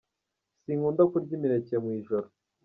Si nkunda kurya imineke mu ijoro.